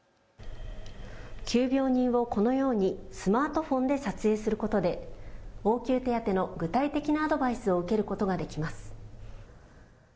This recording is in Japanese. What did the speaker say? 急病人をこのようにスマートフォンで撮影することで応急手当ての具体的なアドバイスを受けることができます。